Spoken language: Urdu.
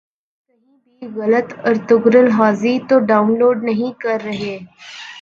کہیں بھی غلط ارطغرل غازی تو ڈان لوڈ نہیں کر رہے